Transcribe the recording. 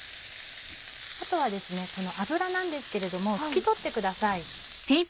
あとは油なんですけれども拭き取ってください。